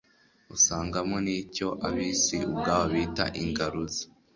Usangamo n'icyo abisi ubwabo bita ingaruzo.